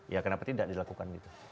ya kenapa tidak dilakukan gitu